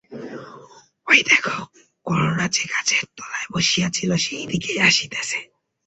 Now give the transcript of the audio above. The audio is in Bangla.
ঐ দেখো, করুণা যে গাছের তলায় বসিয়াছিল সেই দিকেই আসিতেছে।